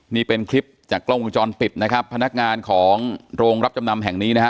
นี่เป็นคลิปจากกล้องวงจรปิดนะครับพนักงานของโรงรับจำนำแห่งนี้นะฮะ